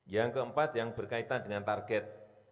yang keempat yang berkaitan dengan target